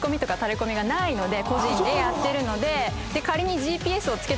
個人でやってるので仮に。